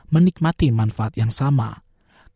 menikmati kesejahteraan masyarakat di negara ini